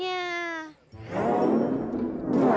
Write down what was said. iya jadi gini ceritanya